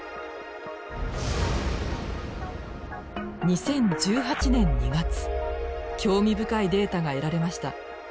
２０１８年２月興味深いデータが得られました。